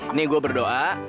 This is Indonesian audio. ini gua berdoa